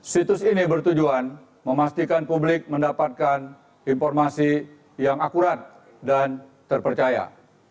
situs ini bertujuan memastikan publik mendapatkan informasi yang akurat dan terpercaya